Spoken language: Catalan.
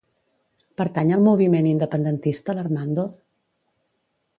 Pertany al moviment independentista l'Armando?